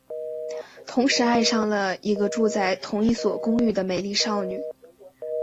同时爱上了一个住在同一所公寓的美丽少女。